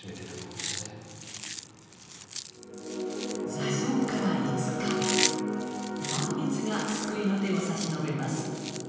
座礁から５日、満月が救いの手を差し伸べます。